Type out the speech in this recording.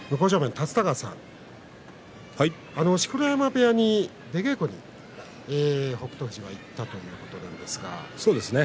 立田川さん、錣山部屋に出稽古に北勝富士、行ったんですよね。